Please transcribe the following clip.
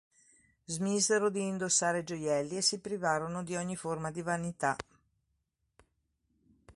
Smisero di indossare gioielli e si privarono di ogni forma di vanità.